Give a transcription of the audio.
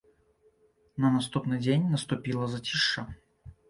На наступны дзень наступіла зацішша.